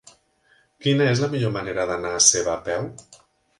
Quina és la millor manera d'anar a Seva a peu?